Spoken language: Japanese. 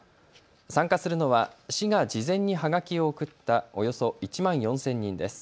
参加するのは市が事前にはがきを送ったおよそ１万４０００人です。